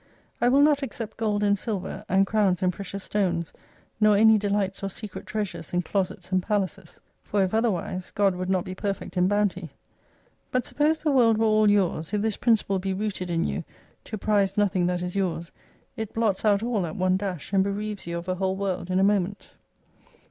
I will not except gold and silver, and crowns and precious stones, nor any delights or secret treasures in closets and palaces. For if other wise God would not be perfect in bounty. But suppose the world were all yours, if this principle be rooted in you, to prize nothing that is yours, it blots out all at one dash, and bereaves you of a whole world in a moment.